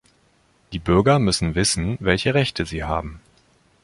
Die Bürger müssen wissen, welche Rechte sie haben.